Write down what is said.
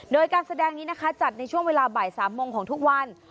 โดยการแสดงนี้นะคะจัดในช่วงเวลาบ่าย๓โมงของทุกวัน